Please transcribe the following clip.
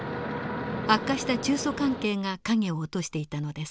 悪化した中ソ関係が影を落としていたのです。